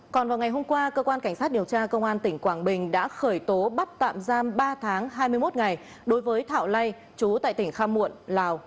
còn vào ngày hôm qua cơ quan cảnh sát điều tra công an tỉnh quảng bình đã khởi tố bắt tạm giam ba tháng hai mươi một ngày đối với thảo lây chú tại tỉnh kham muộn lào